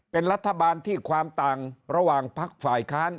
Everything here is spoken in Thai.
เป็นรัฐบาลที่ความต่างระหว่างพักฝ่ายค้าน